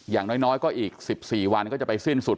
อย่างน้อยก็อีก๑๔วันก็จะไปสิ้นสุด